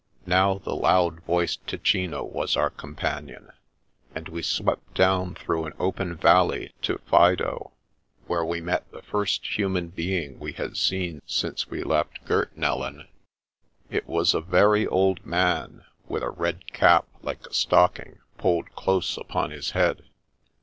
Now the loud voiced Ticino was our companion, and we swept down through an open valley to Faido, where we met the first human being we had seen since we left Gurtnellen. It was a very old man, with a red cap, like a stocking, pulled close upon his head.